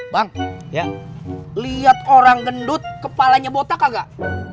bang lihat orang gendut kepalanya botak agak